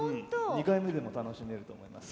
２回目でも楽しめると思います。